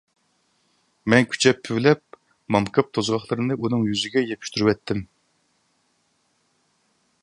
مەن كۈچەپ پۈۋلەپ، مامكاپ توزغاقلىرىنى ئۇنىڭ يۈزىگە يېپىشتۇرۇۋەتتىم.